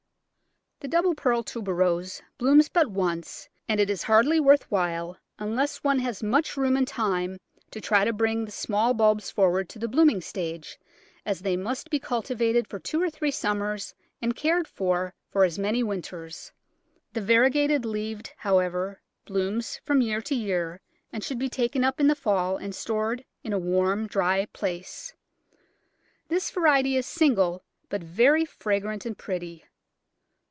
The double pearl Tuberose blooms but once, and it is hardly worth while, unless one has much room and time, to try to bring the small bulbs forward to the blooming stage, as they must be cultivated for two or three summers and cared for for as many winters. Digitized by Google 1 64 The Flower Garden The variegated leaved, however, blooms from year to year, and should be taken up in the fall and stored in a warm, dry place. This variety is single, but very fragrant and pretty.